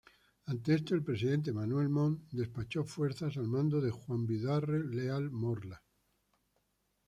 Ante esto, el presidente Manuel Montt despachó fuerzas al mando de Juan Vidaurre-Leal Morla.